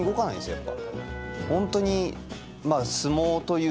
やっぱ。